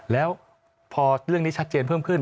แล้วพอเรื่องนี้ชัดเจนเพิ่มขึ้น